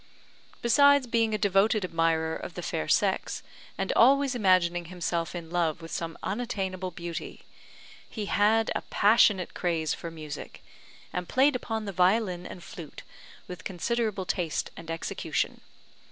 Besides being a devoted admirer of the fair sex, and always imagining himself in love with some unattainable beauty, he had a passionate craze for music, and played upon the violin and flute with considerable taste and execution.